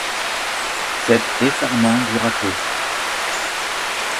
Cet effarement dura peu.